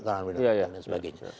runway dan sebagainya